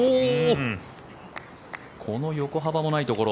この横幅もないところ。